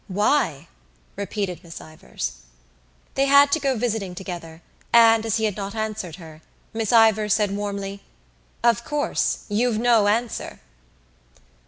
"Why?" repeated Miss Ivors. They had to go visiting together and, as he had not answered her, Miss Ivors said warmly: "Of course, you've no answer."